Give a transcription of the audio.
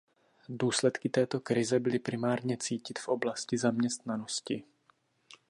Důsledky této krize byly primárně cítit v oblasti zaměstnanosti.